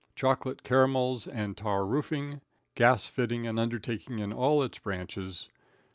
Chocolate Caramels and Tar Roofing. Gas Fitting and Undertaking in all Its Branches.